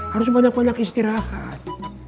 harus banyak banyak istirahat